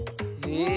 え